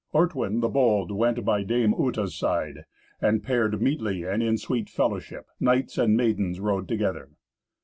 Ortwin the bold went by dame Uta's side, and, paired meetly and in sweet fellowship, knights and maidens rode together.